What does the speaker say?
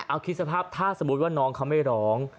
เอาคิดสภาพถ้าสมมุติว่าน้องเขาไม่ร้อง